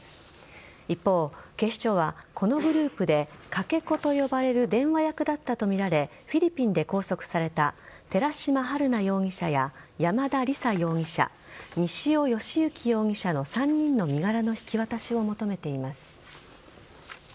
一方、警視庁はこのグループでかけ子と呼ばれる電話役だったとみられフィリピンで拘束された寺島春奈容疑者や山田李沙容疑者西尾嘉之容疑者の３人の身柄の引き渡しを求めています。